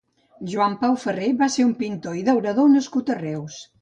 Joan Pau Ferrer va ser un pintor i daurador nascut a Reus.